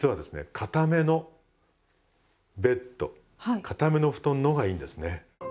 硬めのベッド硬めの布団の方がいいんですね。